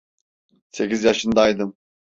Sekiz yaşındaydım.